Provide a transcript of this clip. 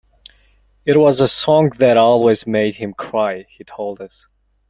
It was a song that always made him cry, he told us.